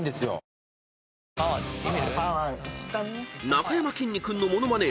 ［なかやまきんに君のモノマネ